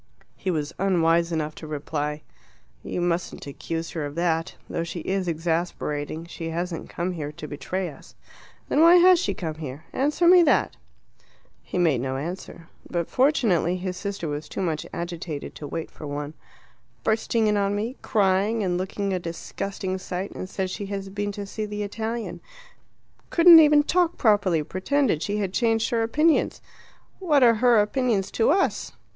He was unwise enough to reply, "You mustn't accuse her of that. Though she is exasperating, she hasn't come here to betray us." "Then why has she come here? Answer me that." He made no answer. But fortunately his sister was too much agitated to wait for one. "Bursting in on me crying and looking a disgusting sight and says she has been to see the Italian. Couldn't even talk properly; pretended she had changed her opinions. What are her opinions to us?